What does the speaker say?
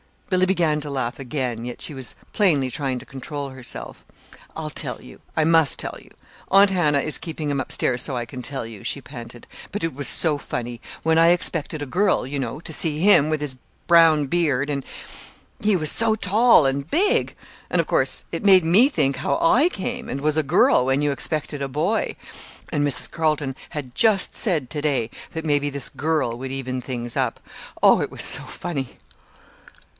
Billy began to laugh again, yet she was plainly trying to control herself. "I'll tell you. I must tell you. Aunt Hannah is keeping him up stairs so I can tell you," she panted. "But it was so funny, when I expected a girl, you know, to see him with his brown beard, and he was so tall and big! And, of course, it made me think how I came, and was a girl when you expected a boy; and Mrs. Carleton had just said to day that maybe this girl would even things up. Oh, it was so funny!"